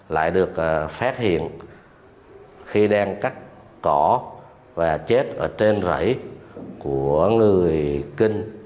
lại được phát hiện khi đang cắt cỏ và chết ở trên rẫy của người kinh